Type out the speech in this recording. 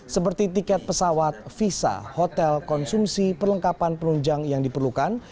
seperti tiket pesawat visa hotel konsumsi perlengkapan penunjang yang diperlukan